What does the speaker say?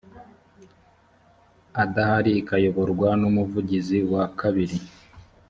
adahari ikayoborwa n umuvugizi wa kabiri